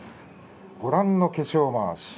ご覧の化粧まわし。